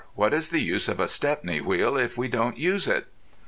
What is the good of a Stepney wheel if you don't use it?"